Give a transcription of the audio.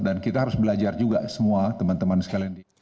dan kita harus belajar juga semua teman teman sekalian